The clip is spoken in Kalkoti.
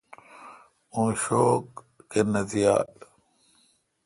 اوں شوک کینتھ یال۔